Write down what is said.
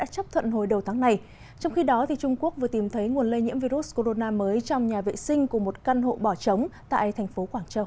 của một căn hộ bỏ trống tại thành phố quảng châu